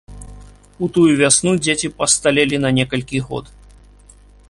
У тую вясну дзеці пасталелі на некалькі год.